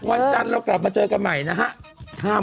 วันจันทร์เรากลับมาเจอกันใหม่นะฮะ